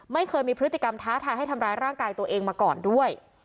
ไม่เคยมีพฤติกรรมท้าทายให้ทำร้ายร่างกายตัวเองมาก่อนด้วย